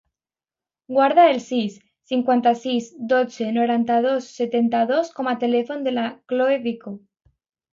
Guarda el sis, cinquanta-sis, dotze, noranta-dos, setanta-dos com a telèfon de la Khloe Vico.